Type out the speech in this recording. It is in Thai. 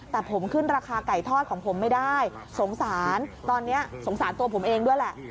แต่ผมขึ้นราคาไก่ทอดของผมไม่ได้สงสารตอนนี้สงสารตัวผมเองด้วยแหละ